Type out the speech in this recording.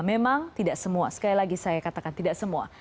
memang tidak semua sekali lagi saya katakan tidak semua